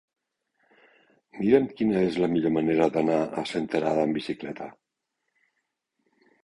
Mira'm quina és la millor manera d'anar a Senterada amb bicicleta.